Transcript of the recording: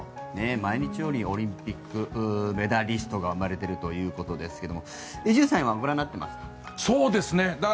毎日のようにオリンピックメダリストが生まれているということですが伊集院さんはご覧になっていますか？